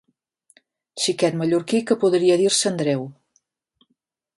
Xiquet mallorquí que podria dir-se Andreu.